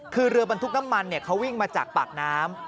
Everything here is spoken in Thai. คือเรือบรรทุกน้ำมันเขาวิ่งมาจากปากน้ำ